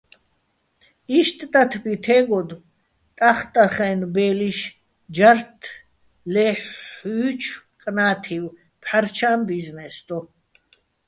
იშტ ტათბი თე́გოდო̆ ტახტახაჲნო̆ ბე́ლიშ ჯართ ლეჰ̦ჲუჲჩო̆ კნა́თივ, "ფჰ̦არჩა́ჼ ბიზნეს" დო.